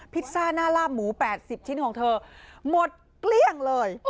พิซซ่าหน้าลาบหมู๘๐ชิ้นของเธอหมดเกลี้ยงเลย